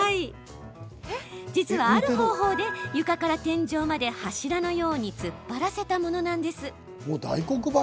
実はある方法で床から天井まで柱のように突っ張らせたものなんです。